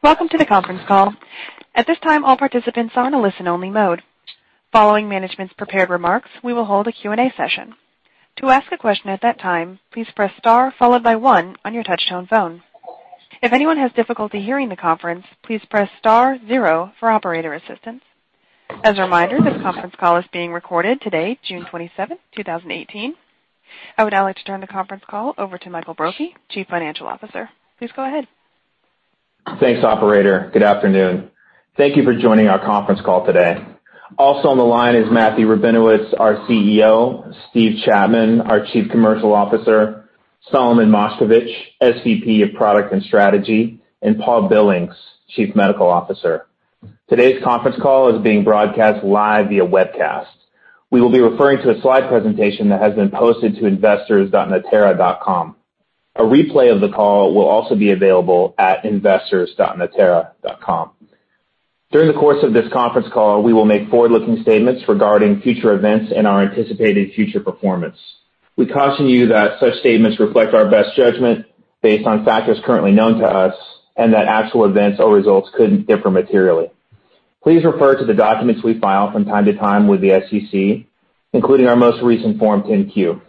Welcome to the conference call. At this time, all participants are in a listen-only mode. Following management's prepared remarks, we will hold a Q&A session. To ask a question at that time, please press star followed by one on your touch-tone phone. If anyone has difficulty hearing the conference, please press star-zero for operator assistance. As a reminder, this conference call is being recorded today, June 27, 2018. I would now like to turn the conference call over to Mike Brophy, Chief Financial Officer. Please go ahead. Thanks, operator. Good afternoon. Thank you for joining our conference call today. Also on the line is Matthew Rabinowitz, our CEO, Steve Chapman, our Chief Commercial Officer, Solomon Moshkevich, SVP of Product and Strategy, and Paul Billings, Chief Medical Officer. Today's conference call is being broadcast live via webcast. We will be referring to a slide presentation that has been posted to investors.natera.com. A replay of the call will also be available at investors.natera.com. During the course of this conference call, we will make forward-looking statements regarding future events and our anticipated future performance. We caution you that such statements reflect our best judgment based on factors currently known to us, and that actual events or results could differ materially. Please refer to the documents we file from time to time with the SEC, including our most recent Form 10-Q.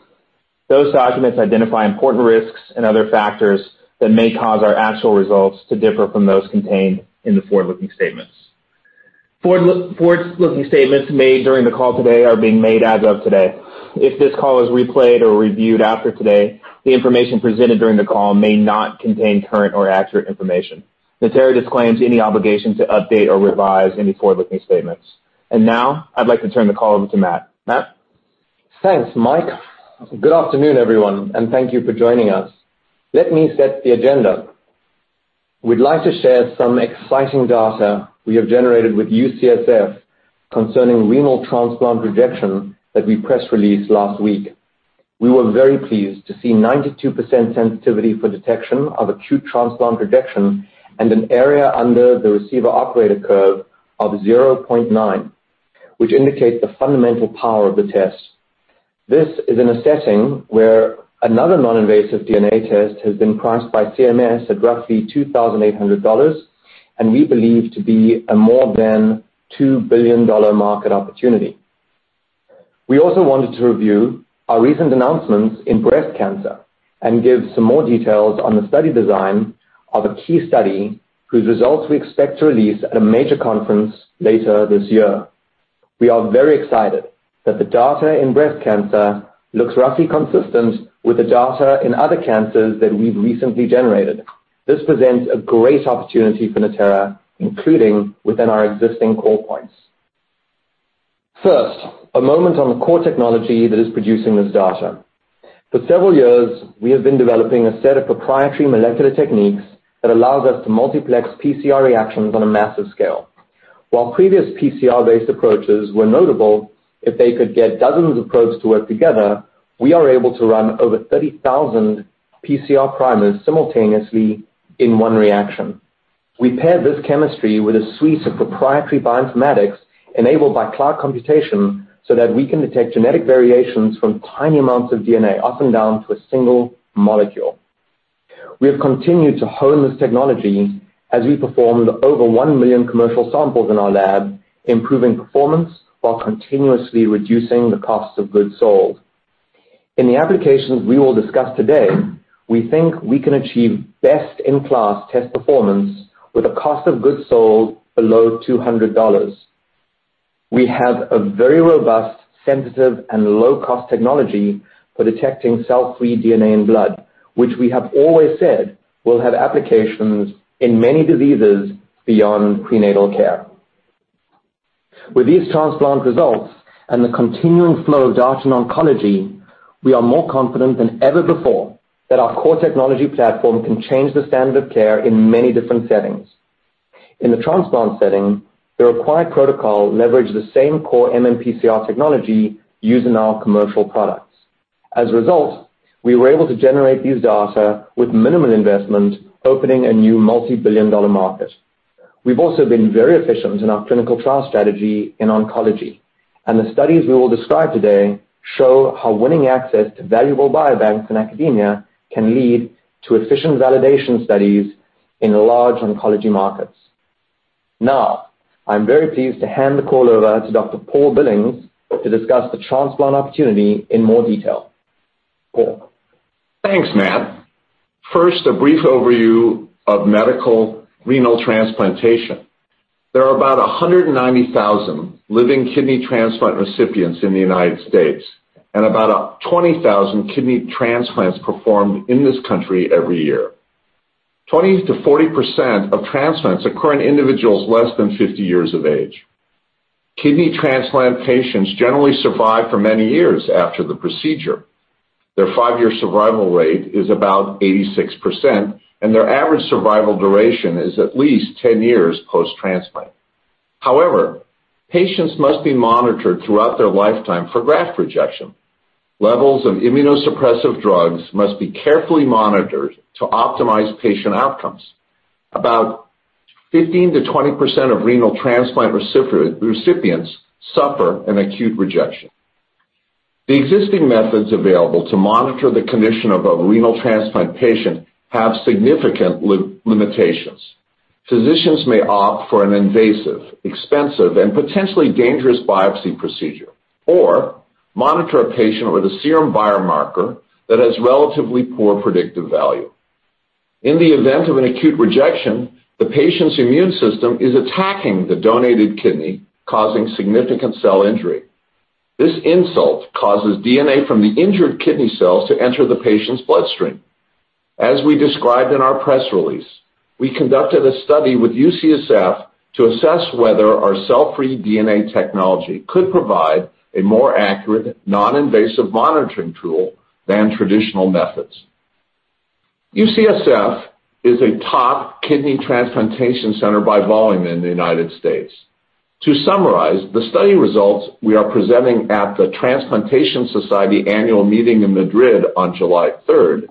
Those documents identify important risks and other factors that may cause our actual results to differ from those contained in the forward-looking statements. Forward-looking statements made during the call today are being made as of today. If this call is replayed or reviewed after today, the information presented during the call may not contain current or accurate information. Natera disclaims any obligation to update or revise any forward-looking statements. Now, I'd like to turn the call over to Matt. Matt? Thanks, Mike. Good afternoon, everyone, and thank you for joining us. Let me set the agenda. We'd like to share some exciting data we have generated with UCSF concerning renal transplant rejection that we press released last week. We were very pleased to see 92% sensitivity for detection of acute transplant rejection and an area under the receiver operating characteristic curve of 0.9, which indicates the fundamental power of the test. This is in a setting where another non-invasive DNA test has been priced by CMS at roughly $2,800, and we believe to be a more than $2 billion market opportunity. We also wanted to review our recent announcements in breast cancer and give some more details on the study design of a key study whose results we expect to release at a major conference later this year. We are very excited that the data in breast cancer looks roughly consistent with the data in other cancers that we've recently generated. This presents a great opportunity for Natera, including within our existing core points. First, a moment on the core technology that is producing this data. For several years, we have been developing a set of proprietary molecular techniques that allows us to multiplex PCR reactions on a massive scale. While previous PCR-based approaches were notable, if they could get dozens of probes to work together, we are able to run over 30,000 PCR primers simultaneously in one reaction. We pair this chemistry with a suite of proprietary bioinformatics enabled by cloud computation so that we can detect genetic variations from tiny amounts of DNA, often down to a single molecule. We have continued to hone this technology as we performed over 1 million commercial samples in our lab, improving performance while continuously reducing the cost of goods sold. In the applications we will discuss today, we think we can achieve best-in-class test performance with a cost of goods sold below $200. We have a very robust, sensitive, and low-cost technology for detecting cell-free DNA in blood, which we have always said will have applications in many diseases beyond prenatal care. With these transplant results and the continuing flow of data in oncology, we are more confident than ever before that our core technology platform can change the standard of care in many different settings. In the transplant setting, the required protocol leveraged the same core MMPCR technology used in our commercial products. As a result, we were able to generate these data with minimal investment, opening a new multibillion-dollar market. We've also been very efficient in our clinical trial strategy in oncology. The studies we will describe today show how winning access to valuable biobanks in academia can lead to efficient validation studies in large oncology markets. Now, I'm very pleased to hand the call over to Dr. Paul Billings to discuss the transplant opportunity in more detail. Paul. Thanks, Matt. First, a brief overview of medical renal transplantation. There are about 190,000 living kidney transplant recipients in the United States and about 20,000 kidney transplants performed in this country every year. 20%-40% of transplants occur in individuals less than 50 years of age. Kidney transplant patients generally survive for many years after the procedure. Their five-year survival rate is about 86%, and their average survival duration is at least 10 years post-transplant. However, patients must be monitored throughout their lifetime for graft rejection. Levels of immunosuppressive drugs must be carefully monitored to optimize patient outcomes. About 15%-20% of renal transplant recipients suffer an acute rejection. The existing methods available to monitor the condition of a renal transplant patient have significant limitations. Physicians may opt for an invasive, expensive, and potentially dangerous biopsy procedure, or monitor a patient with a serum biomarker that has relatively poor predictive value. In the event of an acute rejection, the patient's immune system is attacking the donated kidney, causing significant cell injury. This insult causes DNA from the injured kidney cells to enter the patient's bloodstream. As we described in our press release, we conducted a study with UCSF to assess whether our cell-free DNA technology could provide a more accurate, non-invasive monitoring tool than traditional methods. UCSF is a top kidney transplantation center by volume in the U.S. To summarize the study results we are presenting at the Transplantation Society Annual Meeting in Madrid on July 3rd,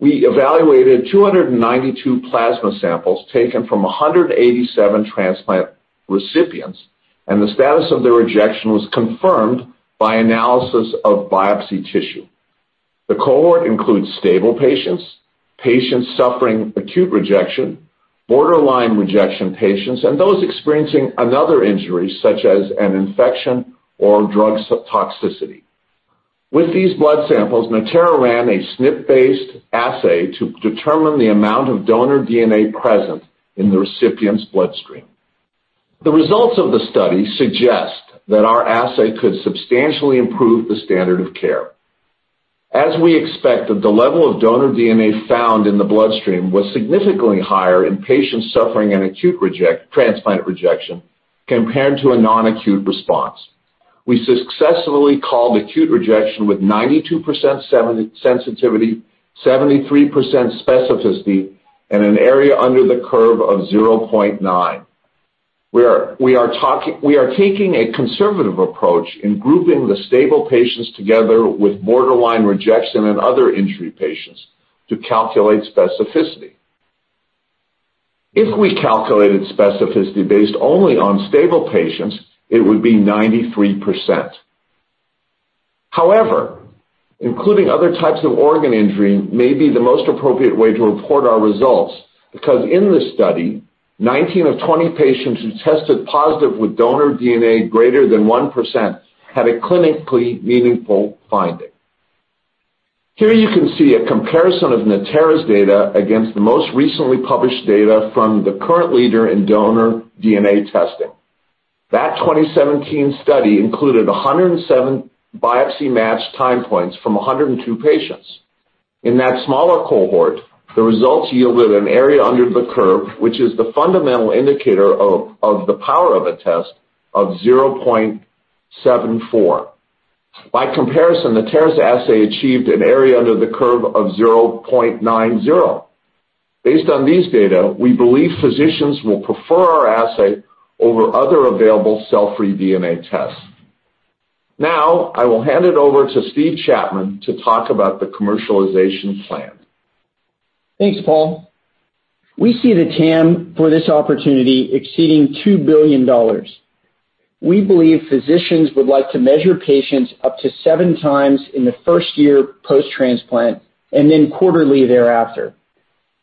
we evaluated 292 plasma samples taken from 187 transplant recipients, and the status of their rejection was confirmed by analysis of biopsy tissue. The cohort includes stable patients suffering acute rejection, borderline rejection patients, and those experiencing another injury, such as an infection or drug subtoxicity. With these blood samples, Natera ran a SNP-based assay to determine the amount of donor DNA present in the recipient's bloodstream. The results of the study suggest that our assay could substantially improve the standard of care. As we expected, the level of donor DNA found in the bloodstream was significantly higher in patients suffering an acute transplant rejection compared to a non-acute response. We successfully called acute rejection with 92% sensitivity, 73% specificity, and an area under the curve of 0.9. We are taking a conservative approach in grouping the stable patients together with borderline rejection and other injury patients to calculate specificity. If we calculated specificity based only on stable patients, it would be 93%. However, including other types of organ injury may be the most appropriate way to report our results, because in this study, 19 of 20 patients who tested positive with donor DNA greater than 1% had a clinically meaningful finding. Here you can see a comparison of Natera's data against the most recently published data from the current leader in donor DNA testing. That 2017 study included 107 biopsy match time points from 102 patients. In that smaller cohort, the results yielded an area under the curve, which is the fundamental indicator of the power of a test, of 0.74. By comparison, Natera's assay achieved an area under the curve of 0.90. Based on these data, we believe physicians will prefer our assay over other available cell-free DNA tests. I will hand it over to Steve Chapman to talk about the commercialization plan. Thanks, Paul. We see the TAM for this opportunity exceeding $2 billion. We believe physicians would like to measure patients up to seven times in the first year post-transplant, and then quarterly thereafter.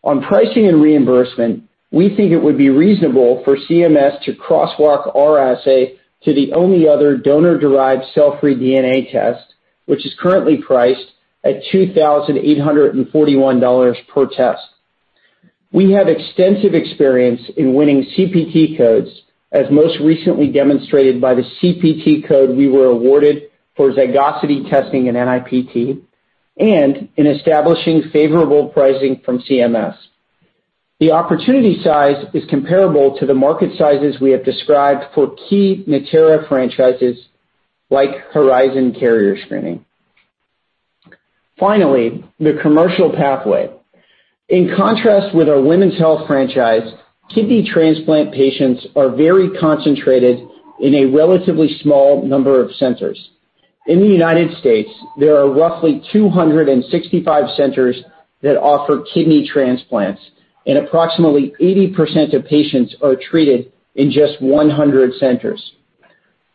On pricing and reimbursement, we think it would be reasonable for CMS to crosswalk our assay to the only other donor-derived cell-free DNA test, which is currently priced at $2,841 per test. We have extensive experience in winning CPT codes, as most recently demonstrated by the CPT code we were awarded for zygosity testing in NIPT, and in establishing favorable pricing from CMS. The opportunity size is comparable to the market sizes we have described for key Natera franchises, like Horizon Carrier Screening. The commercial pathway. In contrast with our women's health franchise, kidney transplant patients are very concentrated in a relatively small number of centers. In the United States, there are roughly 265 centers that offer kidney transplants, and approximately 80% of patients are treated in just 100 centers.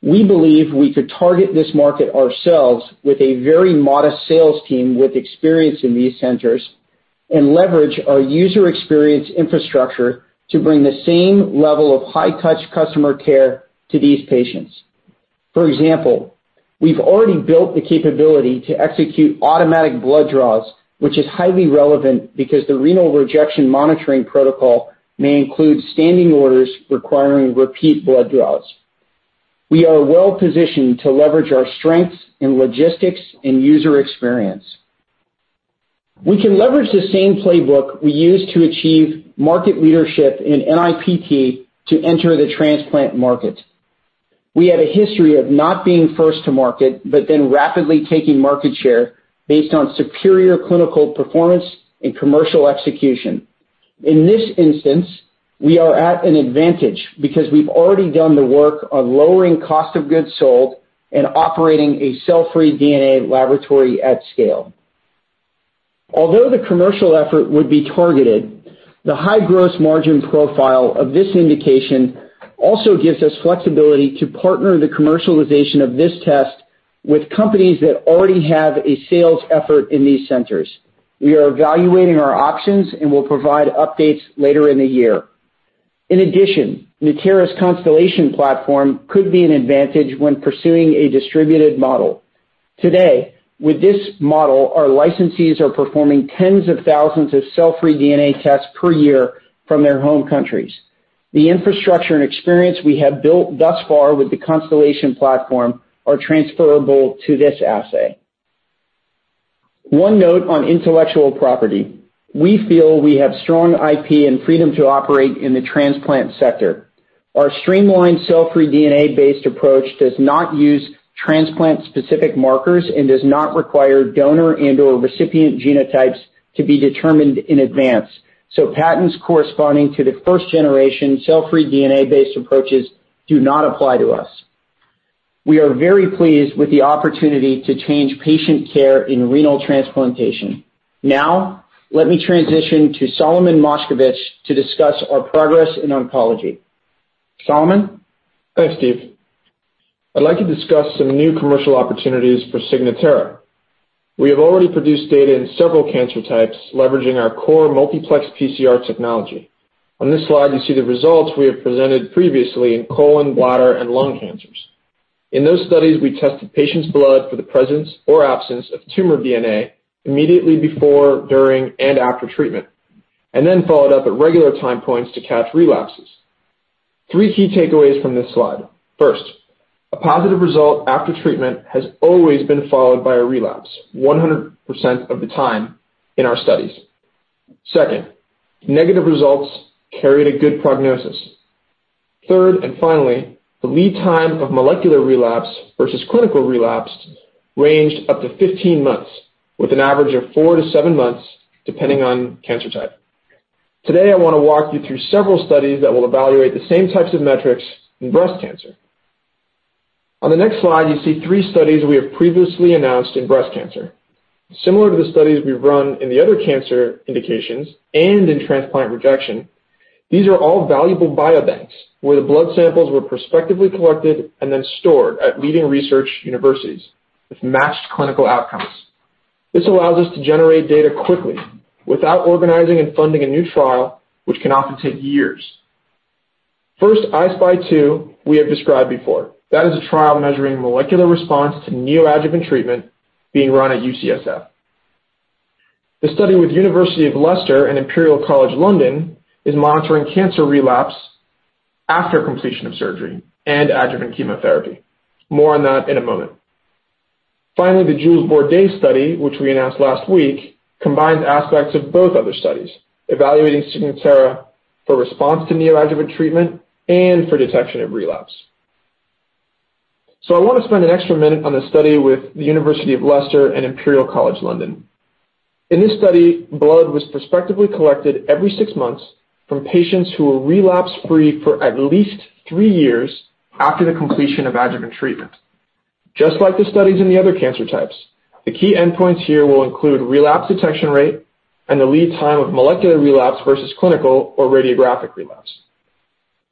We believe we could target this market ourselves with a very modest sales team with experience in these centers and leverage our user experience infrastructure to bring the same level of high-touch customer care to these patients. For example, we've already built the capability to execute automatic blood draws, which is highly relevant because the renal rejection monitoring protocol may include standing orders requiring repeat blood draws. We are well-positioned to leverage our strengths in logistics and user experience. We can leverage the same playbook we used to achieve market leadership in NIPT to enter the transplant market. We have a history of not being first to market, but then rapidly taking market share based on superior clinical performance and commercial execution. In this instance, we are at an advantage because we've already done the work on lowering cost of goods sold and operating a cell-free DNA laboratory at scale. Although the commercial effort would be targeted, the high gross margin profile of this indication also gives us flexibility to partner the commercialization of this test with companies that already have a sales effort in these centers. We are evaluating our options and will provide updates later in the year. In addition, Natera's Constellation platform could be an advantage when pursuing a distributed model. Today, with this model, our licensees are performing tens of thousands of cell-free DNA tests per year from their home countries. The infrastructure and experience we have built thus far with the Constellation platform are transferable to this assay. One note on intellectual property. We feel we have strong IP and freedom to operate in the transplant sector. Our streamlined cell-free DNA-based approach does not use transplant-specific markers and does not require donor and/or recipient genotypes to be determined in advance, so patents corresponding to the first-generation cell-free DNA-based approaches do not apply to us. We are very pleased with the opportunity to change patient care in renal transplantation. Now, let me transition to Solomon Moshkevich to discuss our progress in oncology. Solomon? Thanks, Steve. I'd like to discuss some new commercial opportunities for Signatera. We have already produced data in several cancer types leveraging our core multiplex PCR technology. On this slide, you see the results we have presented previously in colon, bladder, and lung cancers. In those studies, we tested patients' blood for the presence or absence of tumor DNA immediately before, during, and after treatment, and then followed up at regular time points to catch relapses. Three key takeaways from this slide. First, a positive result after treatment has always been followed by a relapse 100% of the time in our studies. Second, negative results carried a good prognosis. Third, and finally, the lead time of molecular relapse versus clinical relapse ranged up to 15 months, with an average of four to seven months, depending on cancer type. Today, I want to walk you through several studies that will evaluate the same types of metrics in breast cancer. On the next slide, you see three studies we have previously announced in breast cancer. Similar to the studies we've run in the other cancer indications and in transplant rejection, these are all valuable biobanks where the blood samples were prospectively collected and then stored at leading research universities with matched clinical outcomes. This allows us to generate data quickly without organizing and funding a new trial, which can often take years. First, I-SPY 2 we have described before. That is a trial measuring molecular response to neoadjuvant treatment being run at UCSF. The study with University of Leicester and Imperial College London is monitoring cancer relapse after completion of surgery and adjuvant chemotherapy. More on that in a moment. The Jules Bordet study, which we announced last week, combines aspects of both other studies, evaluating Signatera for response to neoadjuvant treatment and for detection of relapse. I want to spend an extra minute on the study with the University of Leicester and Imperial College London. In this study, blood was prospectively collected every six months from patients who were relapse-free for at least three years after the completion of adjuvant treatment. Just like the studies in the other cancer types, the key endpoints here will include relapse detection rate and the lead time of molecular relapse versus clinical or radiographic relapse.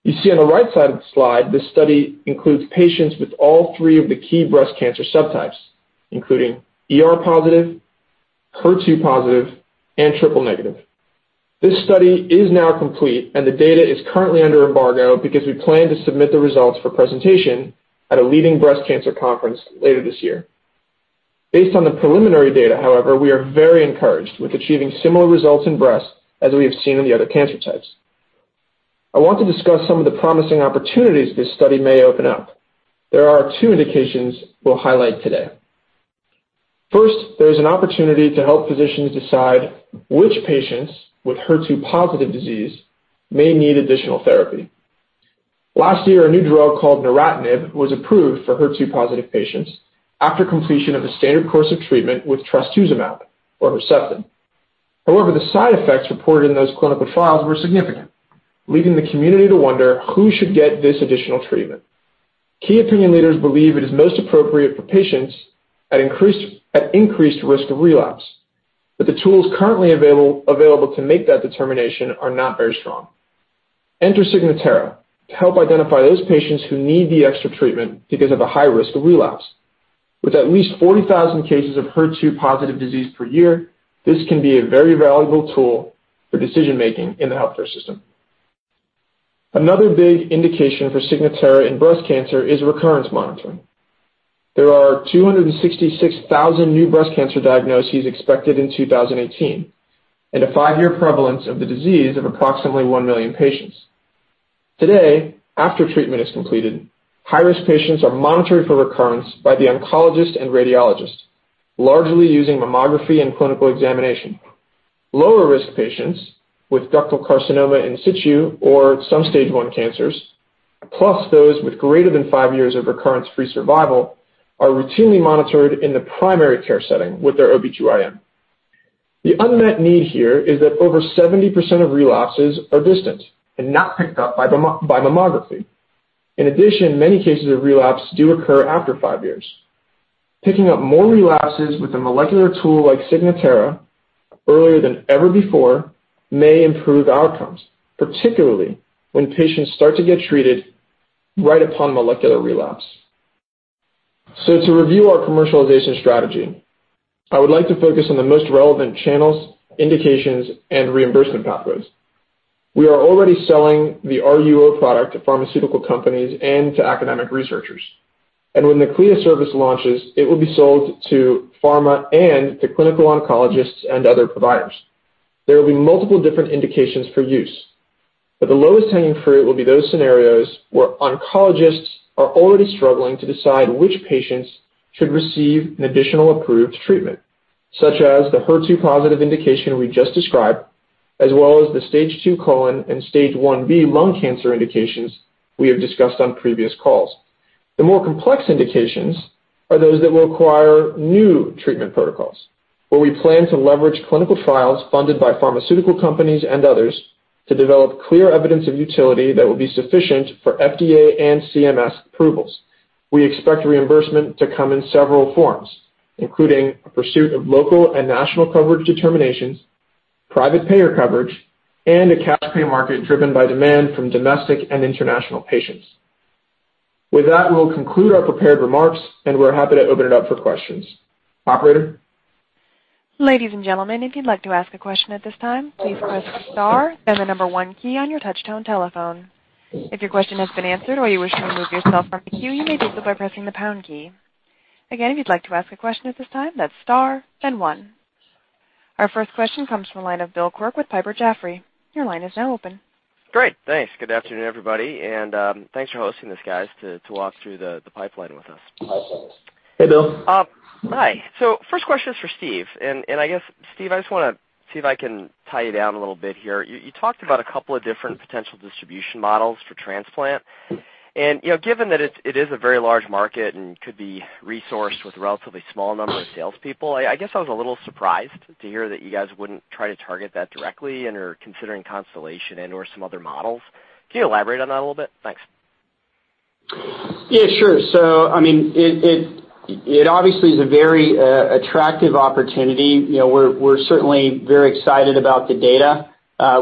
You see on the right side of the slide, this study includes patients with all three of the key breast cancer subtypes, including ER-positive, HER2-positive, and triple-negative. This study is now complete, and the data is currently under embargo because we plan to submit the results for presentation at a leading breast cancer conference later this year. Based on the preliminary data, however, we are very encouraged with achieving similar results in breast as we have seen in the other cancer types. I want to discuss some of the promising opportunities this study may open up. There are two indications we'll highlight today. First, there is an opportunity to help physicians decide which patients with HER2-positive disease may need additional therapy. Last year, a new drug called neratinib was approved for HER2-positive patients after completion of a standard course of treatment with trastuzumab or Herceptin. However, the side effects reported in those clinical trials were significant, leaving the community to wonder who should get this additional treatment. Key opinion leaders believe it is most appropriate for patients at increased risk of relapse, but the tools currently available to make that determination are not very strong. Enter Signatera to help identify those patients who need the extra treatment because of a high risk of relapse. With at least 40,000 cases of HER2-positive disease per year, this can be a very valuable tool for decision-making in the healthcare system. Another big indication for Signatera in breast cancer is recurrence monitoring. There are 266,000 new breast cancer diagnoses expected in 2018 and a five-year prevalence of the disease of approximately 1 million patients. Today, after treatment is completed, high-risk patients are monitored for recurrence by the oncologist and radiologist, largely using mammography and clinical examination. Lower-risk patients with ductal carcinoma in situ or some stage 1 cancers, plus those with greater than 5 years of recurrence-free survival, are routinely monitored in the primary care setting with their OBGYN. The unmet need here is that over 70% of relapses are distant and not picked up by mammography. In addition, many cases of relapse do occur after 5 years. Picking up more relapses with a molecular tool like Signatera earlier than ever before may improve outcomes, particularly when patients start to get treated right upon molecular relapse. To review our commercialization strategy, I would like to focus on the most relevant channels, indications, and reimbursement pathways. We are already selling the RUO product to pharmaceutical companies and to academic researchers. When the CLIA service launches, it will be sold to pharma and to clinical oncologists and other providers. There will be multiple different indications for use, the lowest hanging fruit will be those scenarios where oncologists are already struggling to decide which patients should receive an additional approved treatment, such as the HER2-positive indication we just described, as well as the stage 2 colon and stage 1B lung cancer indications we have discussed on previous calls. The more complex indications are those that will require new treatment protocols, where we plan to leverage clinical trials funded by pharmaceutical companies and others to develop clear evidence of utility that will be sufficient for FDA and CMS approvals. We expect reimbursement to come in several forms, including a pursuit of local and national coverage determinations, private payer coverage, and a cash pay market driven by demand from domestic and international patients. With that, we'll conclude our prepared remarks, and we're happy to open it up for questions. Operator? Ladies and gentlemen, if you'd like to ask a question at this time, please press star then the number 1 key on your touchtone telephone. If your question has been answered or you wish to remove yourself from the queue, you may do so by pressing the pound key. Again, if you'd like to ask a question at this time, that's star then 1. Our first question comes from the line of Bill Quirk with Piper Sandler. Your line is now open. Great. Thanks. Good afternoon, everybody, thanks for hosting this, guys, to walk through the pipeline with us. Hey, Bill. Hi. First question is for Steve, and I guess, Steve, I just want to see if I can tie you down a little bit here. You talked about a couple of different potential distribution models for transplant, and given that it is a very large market and could be resourced with relatively small number of salespeople, I guess I was a little surprised to hear that you guys wouldn't try to target that directly and are considering Constellation and/or some other models. Can you elaborate on that a little bit? Thanks. Yeah, sure. It obviously is a very attractive opportunity. We're certainly very excited about the data.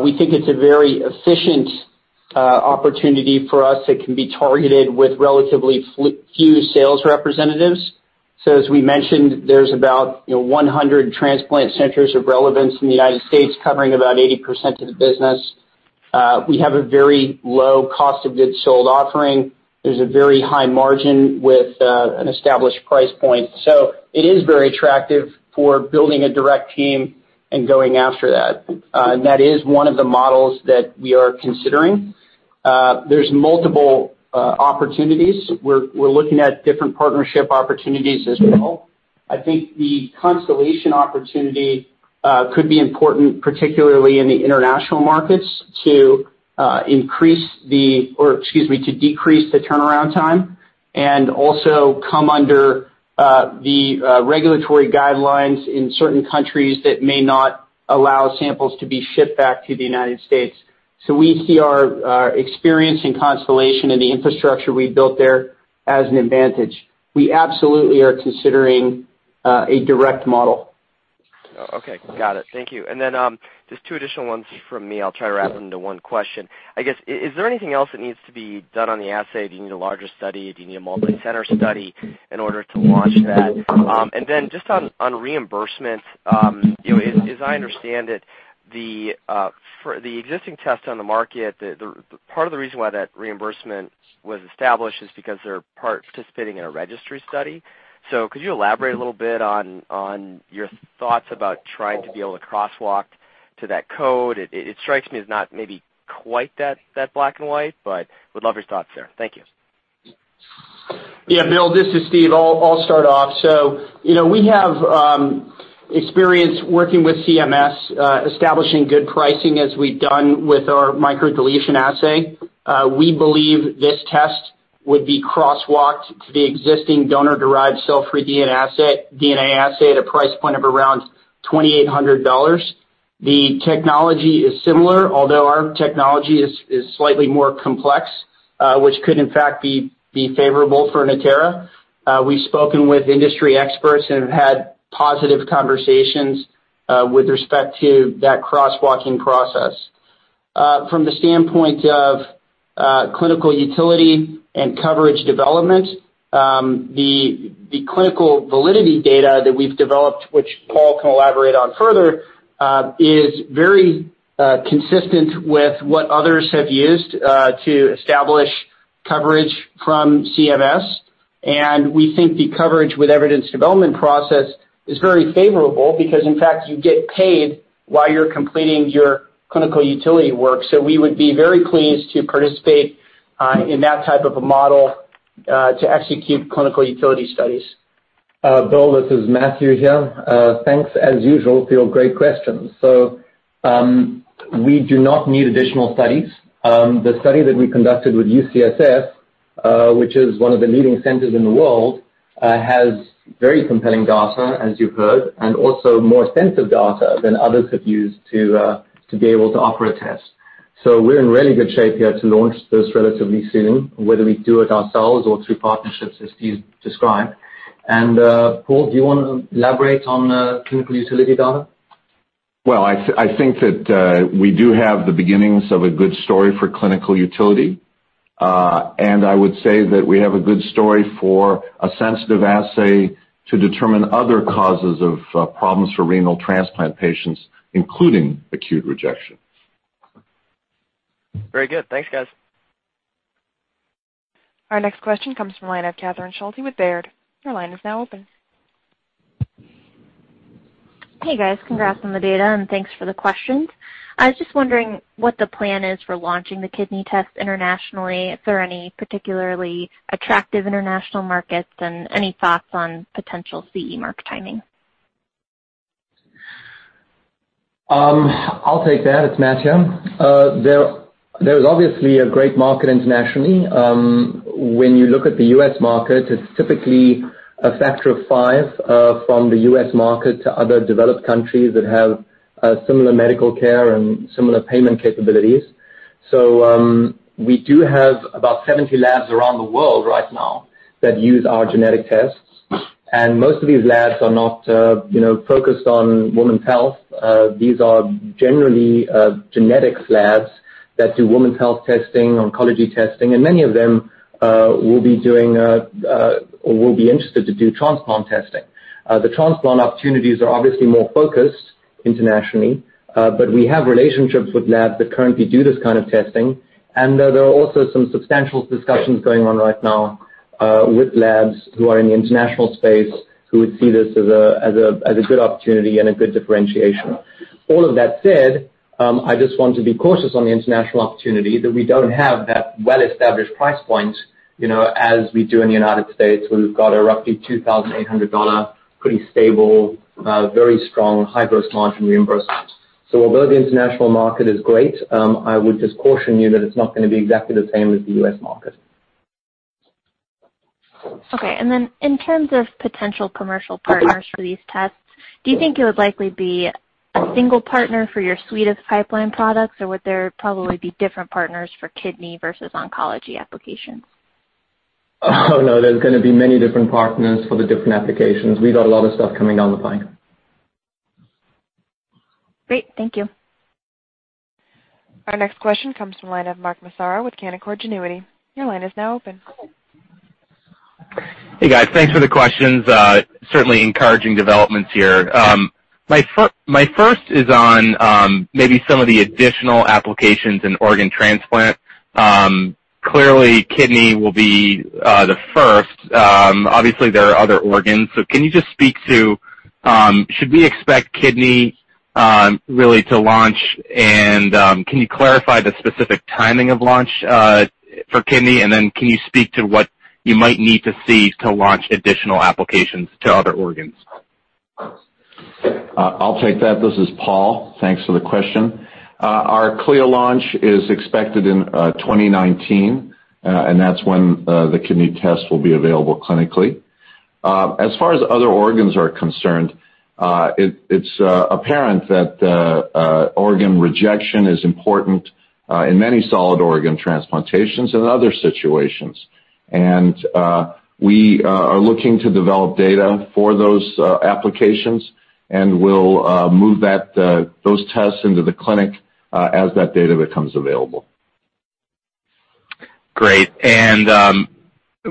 We think it's a very efficient opportunity for us that can be targeted with relatively few sales representatives. As we mentioned, there's about 100 transplant centers of relevance in the U.S., covering about 80% of the business. We have a very low cost of goods sold offering. There's a very high margin with an established price point. It is very attractive for building a direct team and going after that. That is one of the models that we are considering. There's multiple opportunities. We're looking at different partnership opportunities as well. I think the Constellation opportunity could be important, particularly in the international markets, to decrease the turnaround time and also come under the regulatory guidelines in certain countries that may not allow samples to be shipped back to the U.S. We see our experience in Constellation and the infrastructure we built there as an advantage. We absolutely are considering a direct model. Okay, got it. Thank you. Just two additional ones from me. I'll try to wrap them into one question. Is there anything else that needs to be done on the assay? Do you need a larger study? Do you need a multicenter study in order to launch that? Just on reimbursement, as I understand it, for the existing tests on the market, part of the reason why that reimbursement was established is because they're participating in a registry study. Could you elaborate a little bit on your thoughts about trying to be able to crosswalk to that code? It strikes me as not maybe quite that black and white, but would love your thoughts there. Thank you. Bill, this is Steve. I'll start off. We have experience working with CMS, establishing good pricing as we've done with our microdeletion assay. We believe this test would be crosswalked to the existing donor-derived cell-free DNA assay at a price point of around $2,800. The technology is similar, although our technology is slightly more complex, which could in fact be favorable for Natera. We've spoken with industry experts and have had positive conversations with respect to that crosswalking process. From the standpoint of clinical utility and coverage development, the clinical validity data that we've developed, which Paul can elaborate on further, is very consistent with what others have used to establish coverage from CMS. We think the Coverage with Evidence Development process is very favorable because, in fact, you get paid while you're completing your clinical utility work. We would be very pleased to participate in that type of a model to execute clinical utility studies. Bill, this is Matthew here. Thanks as usual for your great questions. We do not need additional studies. The study that we conducted with UCSF, which is one of the leading centers in the world has very compelling data, as you've heard, and also more sensitive data than others have used to be able to offer a test. We're in really good shape here to launch this relatively soon, whether we do it ourselves or through partnerships, as Steve described. Paul, do you want to elaborate on the clinical utility data? Well, I think that we do have the beginnings of a good story for clinical utility. I would say that we have a good story for a sensitive assay to determine other causes of problems for renal transplant patients, including acute rejection. Very good. Thanks, guys. Our next question comes from the line of Catherine Schulte with Baird. Your line is now open. Hey, guys. Congrats on the data, thanks for the questions. I was just wondering what the plan is for launching the kidney test internationally. Is there any particularly attractive international markets, any thoughts on potential CE mark timing? I'll take that. It's Matt here. There is obviously a great market internationally. When you look at the U.S. market, it's typically a factor of five from the U.S. market to other developed countries that have similar medical care and similar payment capabilities. We do have about 70 labs around the world right now that use our genetic tests, and most of these labs are not focused on women's health. These are generally genetics labs that do women's health testing, oncology testing, and many of them will be interested to do transplant testing. The transplant opportunities are obviously more focused internationally, but we have relationships with labs that currently do this kind of testing. There are also some substantial discussions going on right now, with labs who are in the international space who would see this as a good opportunity and a good differentiation. All of that said, I just want to be cautious on the international opportunity that we don't have that well-established price point as we do in the United States, where we've got a roughly $2,800, pretty stable, very strong high gross margin reimbursement. Although the international market is great, I would just caution you that it's not going to be exactly the same as the U.S. market. Okay. Then in terms of potential commercial partners for these tests, do you think it would likely be a single partner for your suite of pipeline products, or would there probably be different partners for kidney versus oncology applications? Oh, no, there's going to be many different partners for the different applications. We've got a lot of stuff coming down the pipe. Great. Thank you. Our next question comes from the line of Mark Massaro with Canaccord Genuity. Your line is now open. Hey, guys. Thanks for the questions. Certainly encouraging developments here. My first is on maybe some of the additional applications in organ transplant. Clearly, kidney will be the first. Obviously, there are other organs. Can you just speak to, should we expect kidney really to launch, and can you clarify the specific timing of launch for kidney? Can you speak to what you might need to see to launch additional applications to other organs? I'll take that. This is Paul. Thanks for the question. Our CLIA launch is expected in 2019, and that's when the kidney test will be available clinically. As far as other organs are concerned, it's apparent that organ rejection is important in many solid organ transplantations and other situations. We are looking to develop data for those applications, and we'll move those tests into the clinic as that data becomes available.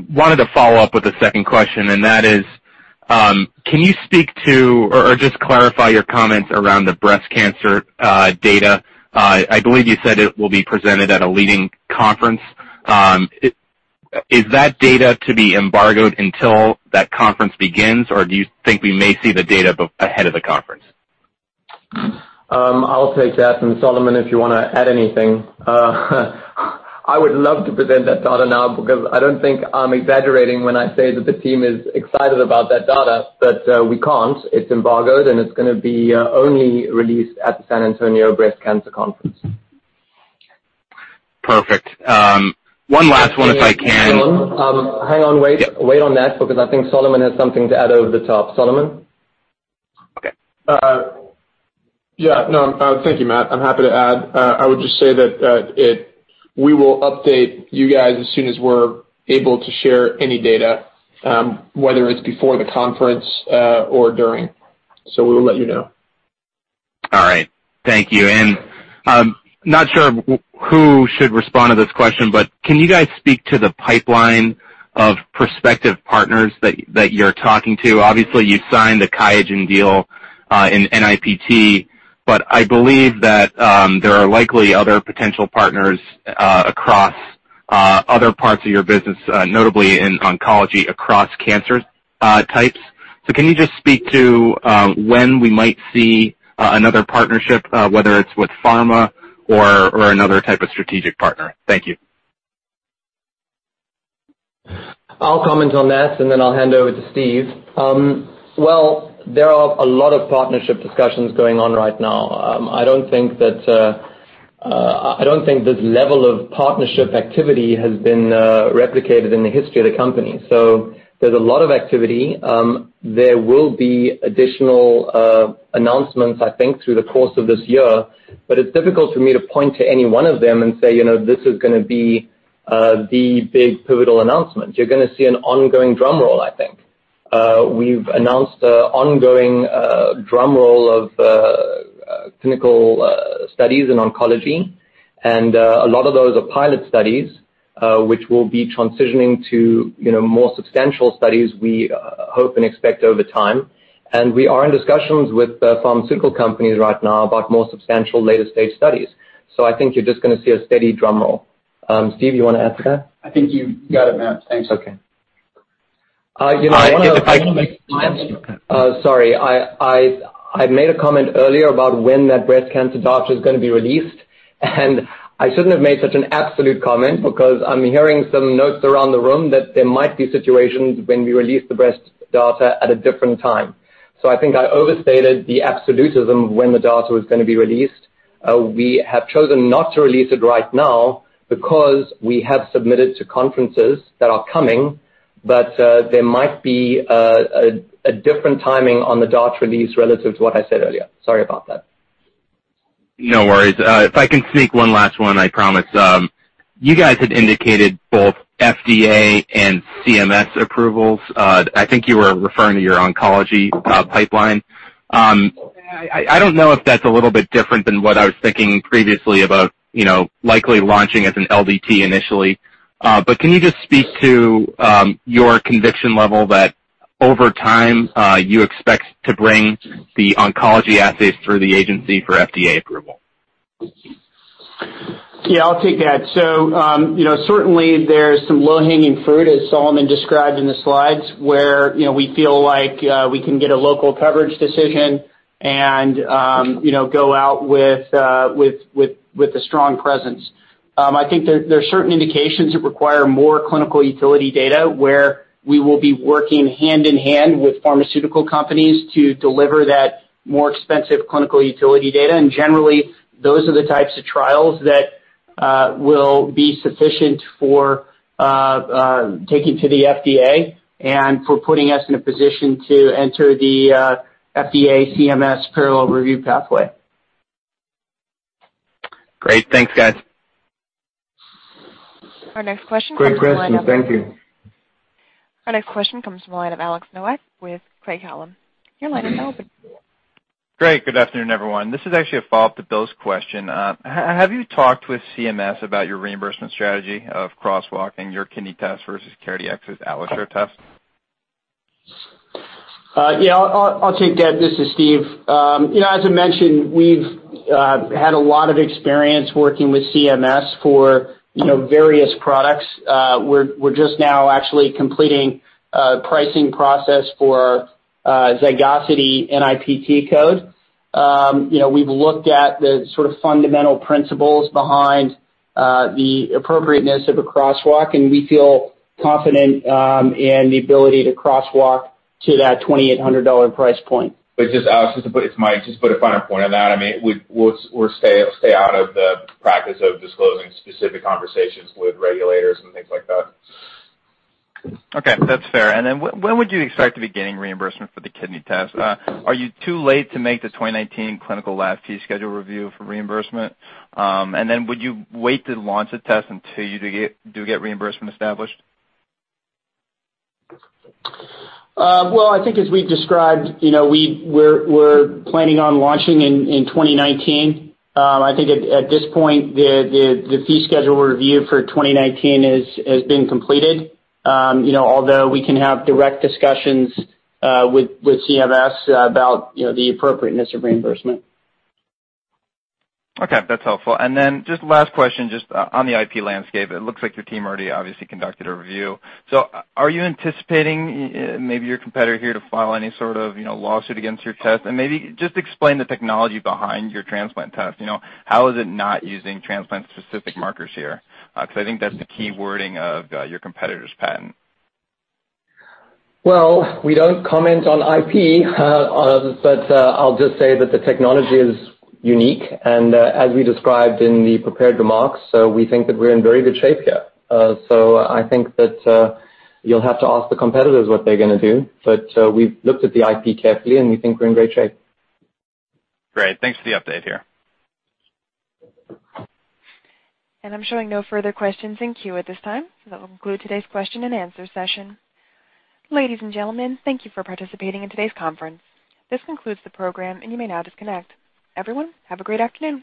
Wanted to follow up with a second question, and that is, can you speak to or just clarify your comments around the breast cancer data? I believe you said it will be presented at a leading conference. Is that data to be embargoed until that conference begins, or do you think we may see the data ahead of the conference? I'll take that, Solomon, if you want to add anything. I would love to present that data now because I don't think I'm exaggerating when I say that the team is excited about that data, but we can't. It's embargoed, and it's going to be only released at the San Antonio Breast Cancer Conference. Perfect. One last one if I can- Hang on. Wait on that, because I think Solomon has something to add over the top. Solomon? Okay. Yeah. No. Thank you, Matt. I'm happy to add. I would just say that we will update you guys as soon as we're able to share any data, whether it's before the conference or during. We will let you know. All right. Thank you. Not sure who should respond to this question, can you guys speak to the pipeline of prospective partners that you're talking to? Obviously, you've signed the QIAGEN deal in NIPT, I believe that there are likely other potential partners across other parts of your business, notably in oncology, across cancer types. Can you just speak to when we might see another partnership, whether it's with pharma or another type of strategic partner? Thank you. I'll comment on that, then I'll hand over to Steve. Well, there are a lot of partnership discussions going on right now. I don't think this level of partnership activity has been replicated in the history of the company. There's a lot of activity. There will be additional announcements, I think, through the course of this year, it's difficult for me to point to any one of them and say, "This is going to be the big pivotal announcement." You're going to see an ongoing drum roll, I think. We've announced an ongoing drum roll of clinical studies in oncology, a lot of those are pilot studies, which will be transitioning to more substantial studies we hope and expect over time. We are in discussions with pharmaceutical companies right now about more substantial later-stage studies. I think you're just going to see a steady drum roll. Steve, you want to add to that? I think you got it, Matt. Thanks. Okay. I want to make- Sorry. I made a comment earlier about when that breast cancer data is going to be released, I shouldn't have made such an absolute comment because I'm hearing some notes around the room that there might be situations when we release the breast data at a different time. I think I overstated the absolutism of when the data was going to be released. We have chosen not to release it right now because we have submitted to conferences that are coming, but there might be a different timing on the data release relative to what I said earlier. Sorry about that. No worries. If I can sneak one last one, I promise. You guys had indicated both FDA and CMS approvals. I think you were referring to your oncology pipeline. I don't know if that's a little bit different than what I was thinking previously about likely launching as an LDT initially. Can you just speak to your conviction level that over time, you expect to bring the oncology assays through the agency for FDA approval? I'll take that. Certainly there's some low-hanging fruit, as Solomon described in the slides, where we feel like we can get a local coverage decision and go out with a strong presence. I think there are certain indications that require more clinical utility data, where we will be working hand-in-hand with pharmaceutical companies to deliver that more expensive clinical utility data, and generally, those are the types of trials that will be sufficient for taking to the FDA and for putting us in a position to enter the FDA CMS parallel review pathway. Great. Thanks, guys. Our next question comes from the line of- Great question. Thank you. Our next question comes from the line of Alex Nowak with Craig-Hallum. Your line is now open. Great, good afternoon, everyone. This is actually a follow-up to Bill's question. Have you talked with CMS about your reimbursement strategy of crosswalking your kidney test versus CareDx's AlloSure test? Yeah, I'll take that. This is Steve. As I mentioned, we've had a lot of experience working with CMS for various products. We're just now actually completing a pricing process for a zygosity NIPT code. We've looked at the fundamental principles behind the appropriateness of a crosswalk, we feel confident in the ability to crosswalk to that $2,800 price point. Just Alex, it's Mike, just to put a final point on that, we'll stay out of the practice of disclosing specific conversations with regulators and things like that. Okay. That's fair. When would you expect to be getting reimbursement for the kidney test? Are you too late to make the 2019 clinical lab fee schedule review for reimbursement? Would you wait to launch a test until you do get reimbursement established? Well, I think as we described, we're planning on launching in 2019. I think at this point, the fee schedule review for 2019 has been completed. Although we can have direct discussions with CMS about the appropriateness of reimbursement. Okay. That's helpful. Just last question, just on the IP landscape. It looks like your team already obviously conducted a review. Are you anticipating maybe your competitor here to file any sort of lawsuit against your test? Maybe just explain the technology behind your transplant test. How is it not using transplant-specific markers here? Because I think that's the key wording of your competitor's patent. Well, we don't comment on IP, but I'll just say that the technology is unique and as we described in the prepared remarks, so we think that we're in very good shape here. I think that you'll have to ask the competitors what they're going to do. We've looked at the IP carefully, and we think we're in great shape. Great. Thanks for the update here. I'm showing no further questions in queue at this time. That will conclude today's question and answer session. Ladies and gentlemen, thank you for participating in today's conference. This concludes the program, and you may now disconnect. Everyone, have a great afternoon